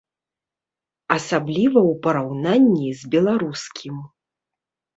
Асабліва ў параўнанні з беларускім.